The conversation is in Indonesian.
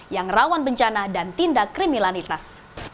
yang rawan bencana dan tindak kriminalitas